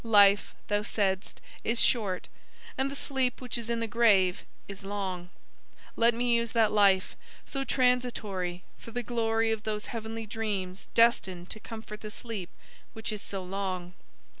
Life, thou saidst, is short: and the sleep which is in the grave, is long! Let me use that life, so transitory, for the glory of those heavenly dreams destined to comfort the sleep which is so long.